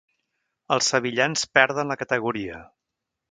Els sevillans perden la categoria.